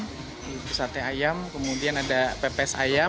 itu sate ayam kemudian ada pepes ayam